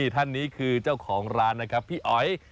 ท่านนี้คือเจ้าของร้านพี่อ๋อย